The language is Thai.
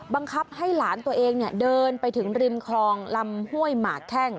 บังคับให้หลานตัวเองเดินไปถึงริมคลองลำห้วยหมากแข้ง